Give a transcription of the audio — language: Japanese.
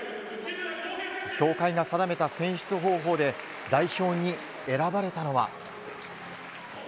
協会が定めた選出方法で代表に選ばれたのは。